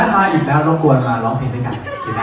มาอีกแล้วรบกวนมาร้องเพลงด้วยกัน